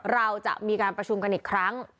เราจะมีการประชุมกันอีกครั้ง